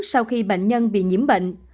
sau khi bệnh nhân bị nhiễm bệnh